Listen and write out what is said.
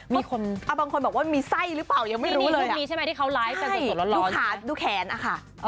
มีคนอ่ะบางคนบอกว่ามีไส้หรือเปล่ายังไม่รู้เลยอ่ะที่นี่รูปนี้ใช่ไหมที่เขาไลฟ์กันส่วนสุดร้อนใช่ดูขาดูแขนอ่ะค่ะ